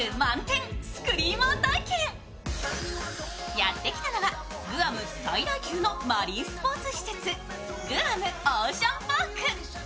やって来たのはグアム最大級のマリンスポーツ施設グアムオーシャンパーク。